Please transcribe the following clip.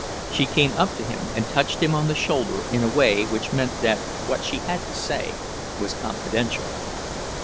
She came up to him and touched him on the shoulder in a way which meant that what she had to say was confidential.